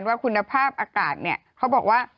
มีก่อนเถอะมันขาดตลาดเยอะแยะ